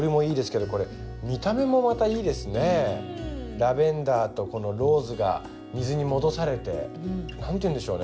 ラベンダーとローズが水に戻されて何て言うんでしょうね